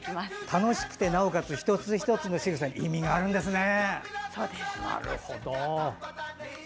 楽しくて、なおかつ一つ一つのしぐさに意味があるんですね。